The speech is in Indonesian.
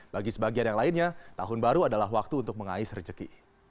bagi sebagian yang lainnya tahun baru adalah waktu untuk mengais rejeki